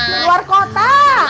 ah luar kota